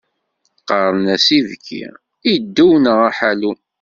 Qqaren-as ibki, iddew neɣ aḥallum.